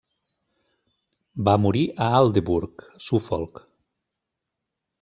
Va morir a Aldeburgh, Suffolk.